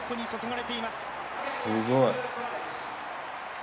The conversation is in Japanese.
すごい。